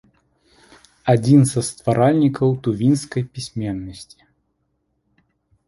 Адзін са стваральнікаў тувінскай пісьменнасці.